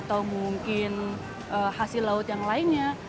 atau mungkin hasil laut yang lainnya